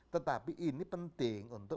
tetapi ini penting untuk